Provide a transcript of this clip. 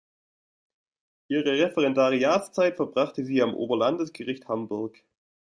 Ihre Referendariatszeit verbrachte sie am Oberlandesgericht Hamburg.